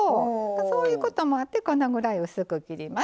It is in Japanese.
そういうこともあってこのぐらい薄く切ります。